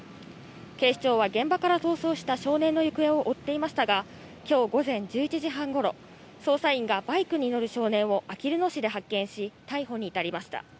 警視庁は、現場から逃走した少年の行方を追っていましたが、きょう午前１１時半ごろ、捜査員が、バイクに乗る少年をあきる野市で発見し、逮捕に至りました。